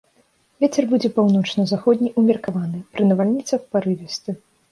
Вецер будзе паўночна-заходні ўмеркаваны, пры навальніцах парывісты.